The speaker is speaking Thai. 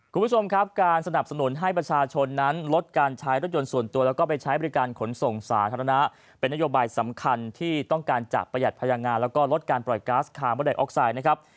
คุณผู้ชมครับการสนับสนุนให้ประชาชนนั้นลดการใช้รถยนต์ส่วนตัวแล้วก็ไปใช้บริการขนส่งสาธารณะเป็นนโยบายสำคัญที่ต้องการจะประหยัดพลังงานแล้วก็ลดการปล่อยก๊าซคาร์บอนไดออกไซด์นะครับ